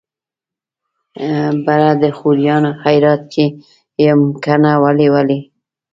يره د خوريانو خيرات کې يم کنه ولې ولې.